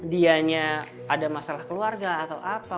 dianya ada masalah keluarga atau apa